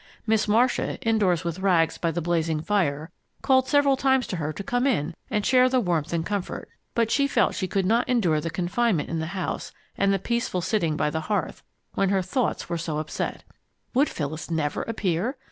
Miss Marcia, indoors with Rags by the blazing fire, called several times to her to come in and share the warmth and comfort, but she felt she could not endure the confinement in the house and the peaceful sitting by the hearth, when her thoughts were so upset. Would Phyllis never appear?